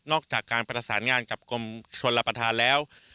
นอกจากการประสานงานกับกรมชนรปฐานแล้ว